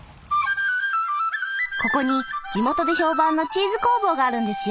ここに地元で評判のチーズ工房があるんですよ。